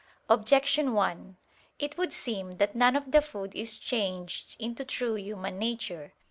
Objection 1: It would seem that none of the food is changed into true human nature.